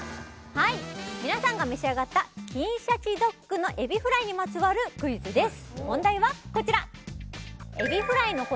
はい皆さんが召し上がった金シャチドッグのエビフライにまつわるクイズです